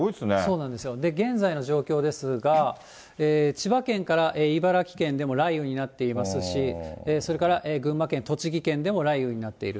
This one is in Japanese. そうなんですよ、現在の状況ですが、千葉県から茨城県でも雷雨になっていますし、それから群馬県、栃木県でも雷雨になっている。